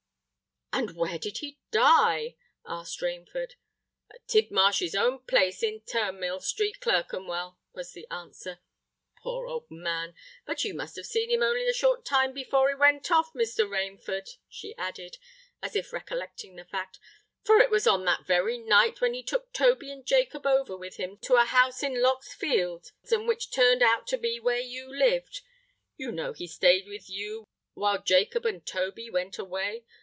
"And where did he die?" asked Rainford. "At Tidmarsh's own place in Turnmill Street, Clerkenwell," was the answer. "Poor old man! But you must have seen him only a short time before he went off, Mr. Rainford," she added, as if recollecting the fact: "for it was on that very night when he took Toby and Jacob over with him to a house in Lock's Fields, and which turned out to be where you lived. You know he stayed with you while Jacob and Toby went away.